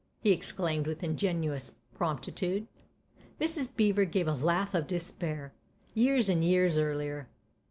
" he exclaimed with ingenuous promptitude. Mrs. Beever gave a laugh of despair. " Years and years earlier